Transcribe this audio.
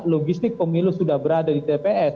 logistik pemilu sudah berada di tps